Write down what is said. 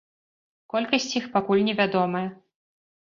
Колькасць іх пакуль невядомая.